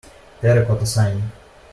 Terracotta Sighing.